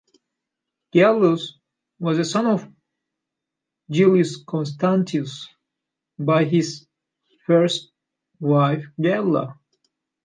Gallus was a son of Julius Constantius by his first wife Galla.